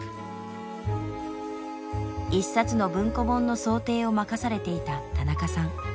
一冊の文庫本の装丁を任されていた田中さん。